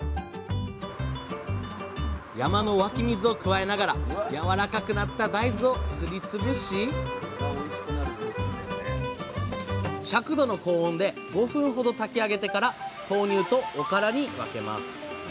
山の湧き水を加えながらやわらかくなった大豆をすり潰し１００℃の高温で５分ほど炊き上げてから豆乳とおからに分けます。